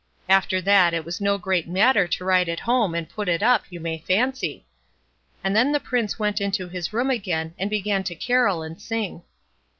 After that, it was no great matter to ride it home and put it up, you may fancy; and then the Prince went into his room again, and began to carol and sing.